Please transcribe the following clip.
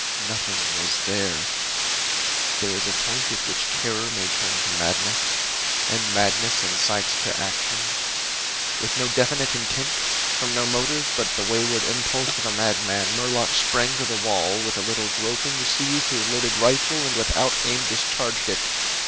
Nothing was there! There is a point at which terror may turn to madness; and madness incites to action. With no definite intent, from no motive but the wayward impulse of a madman, Murlock sprang to the wall, with a little groping seized his loaded rifle, and without aim discharged it.